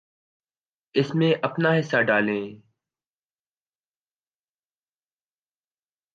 اس میں اپنا حصہ ڈالیں۔